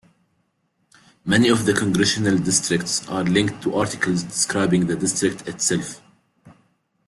Many of the congressional districts are linked to articles describing the district itself.